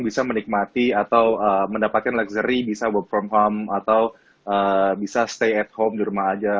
bisa menikmati atau mendapatkan luxury bisa work from home atau bisa stay at home di rumah aja